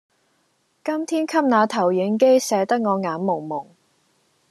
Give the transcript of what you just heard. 今天給那投影機射得我眼濛濛